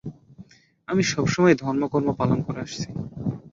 আমি সবসময়ই ধর্ম-কর্ম পালন করে আসছি।